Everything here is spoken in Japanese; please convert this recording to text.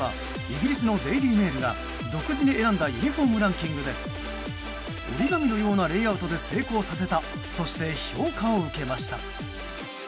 イギリスのデイリー・メールが独自に選んだユニホームランキングで折り紙のようなレイアウトで成功させたとして評価を受けました。